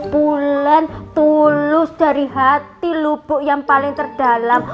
pulen tulus dari hati lubuk yang paling terdalam